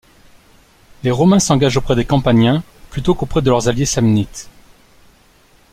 Les Romains s'engagent auprès des Campaniens plutôt qu'auprès de leurs alliés samnites.